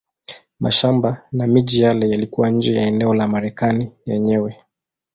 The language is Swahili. Mashamba na miji yale yalikuwa nje ya eneo la Marekani yenyewe.